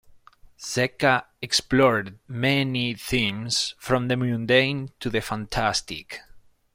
Zecca explored many themes from the mundane to the fantastic.